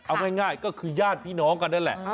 เอาง่ายก็คือญาติพี่น้องกันนั่นแหละ